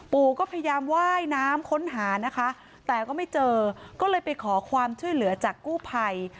ปู่ก็พยายามว่ายน้ำค้นหานะคะแต่ก็ไม่เจอก็เลยไปขอความช่วยเหลือจากกู้ภัย